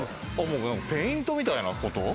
ペイントみたいなこと？